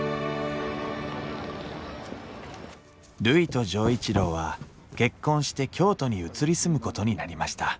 るいと錠一郎は結婚して京都に移り住むことになりました